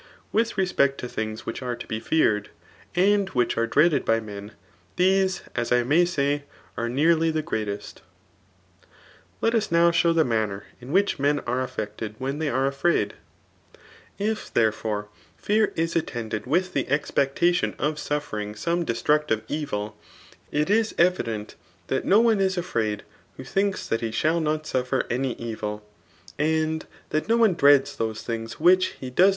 With respect to thiigii which are to be feared* and which are dreaded by mei^ these* as I may say* are nearly, the f^reatest. Let OS now show the manner in which men are affected wben they are afraid If* therefore* fear is attended with the CTpectation of suffering some destructive evil* it is evident that no one is afraid who thinks that he shall not suffiar any evil* and that no one dreads those things which ItO THE ART ifP BOOIt 1!.